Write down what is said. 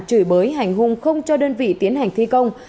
chửi bới hành hung không cho đơn vị tiến hành thi công